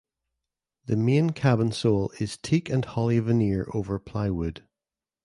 The main cabin sole is teak and holly veneer over plywood.